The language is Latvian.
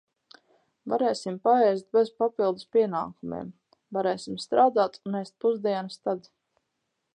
Varēsim paēst bez papildus pienākumiem, varēsim strādāt un ēst pusdienas tad.